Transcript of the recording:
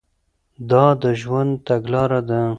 دا د ژوند تګلاره ده.